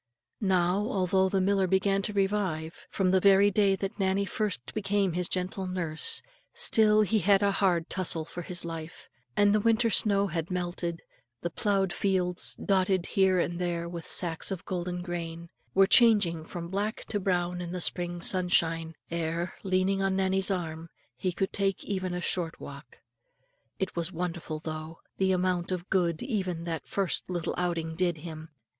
Now although the miller began to revive, from the very day that Nannie first became his gentle nurse, still he had a hard tussle for his life; and the winter's snow had melted, the ploughed fields dotted here and there with sacks of golden grain were changing from black to brown in the spring sunshine, ere, leaning on Nannie's arm, he could take even a short walk. It was wonderful, though, the amount of good even that first little outing did him.